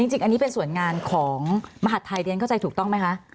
จริงอันนี้เป็นส่วนงานของมหาดไทยเรียนเข้าใจถูกต้องไหมคะ